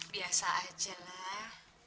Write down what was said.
biasa aja lah